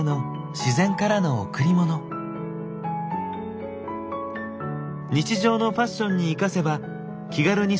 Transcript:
日常のファッションに生かせば気軽に外遊びが楽しめる。